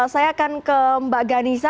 saya akan ke mbak ghanisa